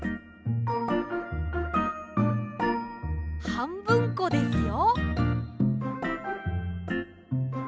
はんぶんこですよ。